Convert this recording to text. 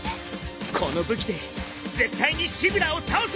この武器で絶対にシブラーを倒す！